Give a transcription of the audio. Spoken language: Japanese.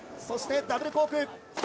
そしてダブルコーク１４４０